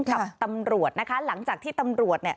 ขับตำรวจนะคะหลังจากที่ตำรวจ